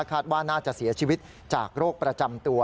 คาดว่าน่าจะเสียชีวิตจากโรคประจำตัว